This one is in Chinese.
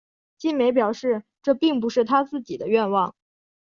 晋美表示这并不是他自己的愿望。